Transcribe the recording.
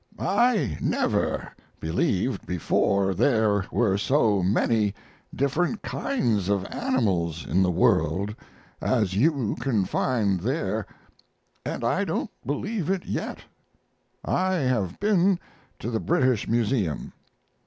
I never believed before there were so many different kinds of animals in the world as you can find there and I don't believe it yet. I have been to the British Museum.